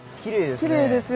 きれいですよ